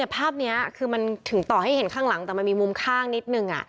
ภาพนี้คือมันถึงต่อให้เห็นข้างหลังแต่มันมีมุมข้างนิดนึง